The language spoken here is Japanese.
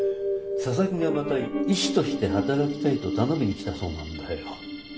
佐々木がまた医師として働きたいと頼みに来たそうなんだよ。